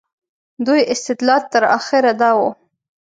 دوی استدلال تر اخره دا و.